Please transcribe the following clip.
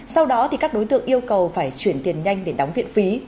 sau đó các đối tượng yêu cầu phải chuyển tiền nhanh để đóng viện phí